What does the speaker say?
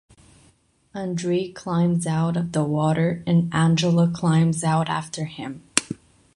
Andre climbs out of the water and Angela climbs out after him.